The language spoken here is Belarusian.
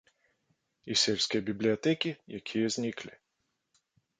І сельскія бібліятэкі, якія зніклі.